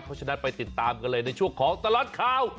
เพราะฉะนั้นไปติดตามกันเลยในช่วงของตลอดข่าว